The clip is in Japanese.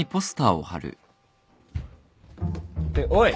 っておい！